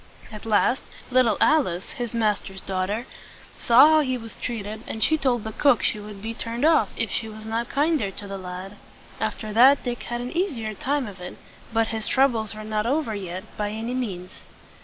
At last, little Alice, his master's daughter, saw how he was treated, and she told the cook she would be turned off if she was not kinder to the lad. After that, Dick had an eas i er time of it; but his troubles were not over yet, by any means.